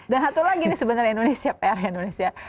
dan satu lagi nih sebenarnya indonesia pr indonesia